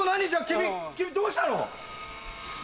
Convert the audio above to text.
君君どうしたの？